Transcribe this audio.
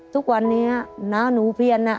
ทุกวันนี้น้าหนูเพียน